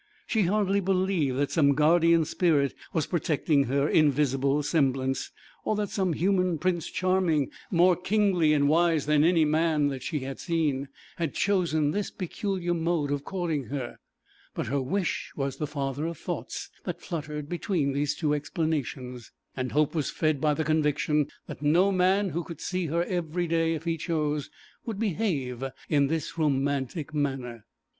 She hardly believed that some guardian spirit was protecting her in visible semblance, or that some human Prince Charming, more kingly and wise than any man that she had yet seen, had chosen this peculiar mode of courting her; but her wish was the father of thoughts that fluttered between these two explanations, and hope was fed by the conviction that no man who could see her every day if he chose would behave in this romantic manner.